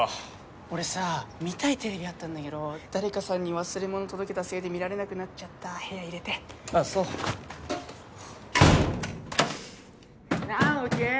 俺さ見たいテレビあったんだけど誰かさんに忘れ物届けたせいで見られなくなっちゃった部屋入れてあっそ・直己！